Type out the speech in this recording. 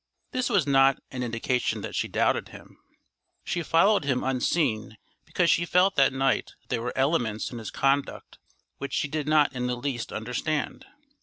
This was not an indication that she doubted him. She followed him unseen because she felt that night that there were elements in his conduct which she did not in the least understand.